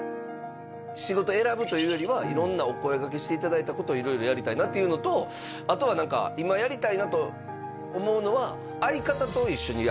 仕事選ぶというよりは色んなお声掛けしていただいたことを色々やりたいなっていうのとあとは何か今やりたいなと思うのはえ！